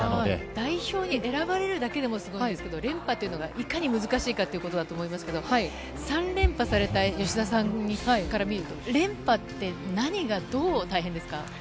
代表に選ばれるだけでもすごいですけど、連覇というのがいかに難しいかということだと思いますけれども、３連覇された吉田さんから見ると、連覇って何がどう大変ですか？